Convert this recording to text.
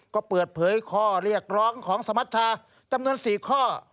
ก็เปิดเผยข้อเรียกร้องของสมัชชาจำนวน๔ข้อ